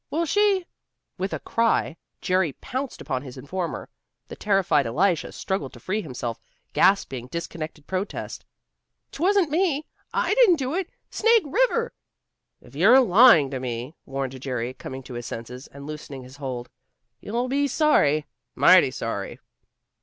Well, she " With a cry, Jerry pounced upon his informer. The terrified Elisha struggled to free himself, gasping disconnected protests. "'Twasn't me I didn't do it Snake River " "If you're lying to me," warned Jerry, coming to his senses and loosening his hold, "you'll be sorry. Mighty sorry."